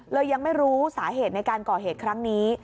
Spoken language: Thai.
ยังไม่รู้สาเหตุในการก่อเหตุครั้งนี้